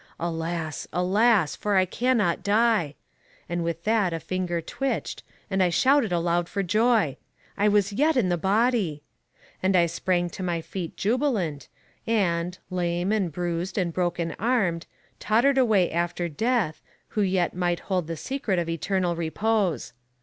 Alas! alas! for I cannot die! And with that a finger twitched, and I shouted aloud for joy: I was yet in the body! And I sprang to my feet jubilant, and, lame and bruised and broken armed, tottered away after Death, who yet might hold the secret of eternal repose.